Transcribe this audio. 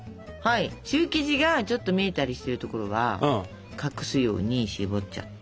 シュー生地がちょっと見えたりしてるところは隠すようにしぼっちゃって。